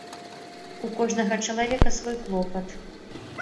У кожнага чалавека свой клопат.